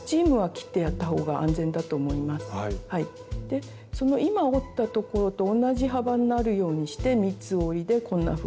でその今折ったところと同じ幅になるようにして三つ折りでこんなふうに仕上げていきます。